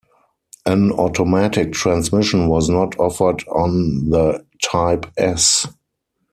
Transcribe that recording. An automatic transmission was not offered on the Type-S.